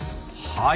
はい。